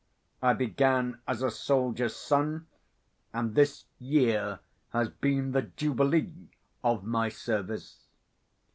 I began as a soldier's son, and this year has been the jubilee of my service."